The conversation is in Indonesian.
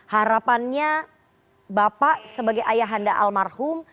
harapannya bapak sebagai ayahanda almarhum